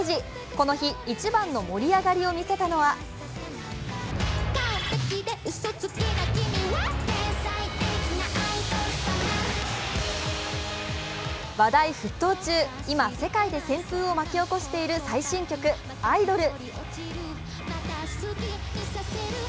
この日、一番の盛り上がりを見せたのは話題沸騰中、今、世界で旋風を巻き起こしている最新曲「アイドル」。